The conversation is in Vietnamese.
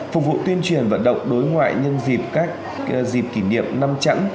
phục vụ tuyên truyền vận động đối ngoại nhân dịp các dịp kỷ niệm năm trắng